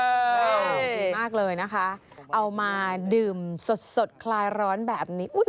ดีมากเลยนะคะเอามาดื่มสดคลายร้อนแบบนี้